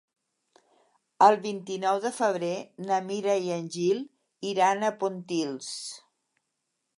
El vint-i-nou de febrer na Mira i en Gil iran a Pontils.